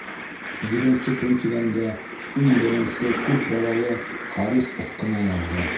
Һигеҙенсе көн тигәндә, иң беренсе «күп балалы» Харис «ысҡына» яҙҙы.